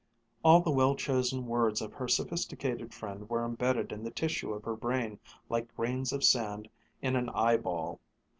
All the well chosen words of her sophisticated friend were imbedded in the tissue of her brain like grains of sand in an eyeball.